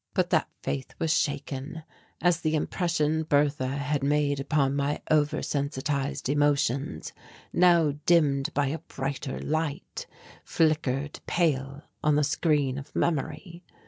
But that faith was shaken, as the impression Bertha had made upon my over sensitized emotions, now dimmed by a brighter light, flickered pale on the screen of memory.